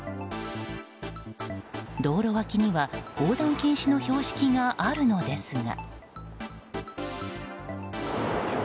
道路脇には横断禁止の標識があるのですが。